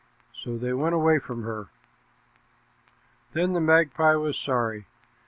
So they went away from her. Then the magpie was sorry.